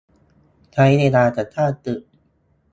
ใช้เวลาจะสร้างตึก